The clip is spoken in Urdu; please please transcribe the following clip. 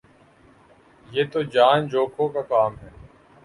یہ تو جان جوکھوں کا کام ہے